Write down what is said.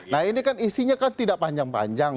nah ini kan isinya kan tidak panjang panjang